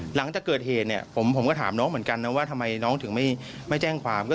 หลังจากเกิดเหตุเนี่ยผมก็ถามน้องเหมือนกันนะว่าทำไมน้องถึงไม่แจ้งความ